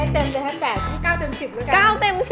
๙เต็ม๑๐แล้วกัน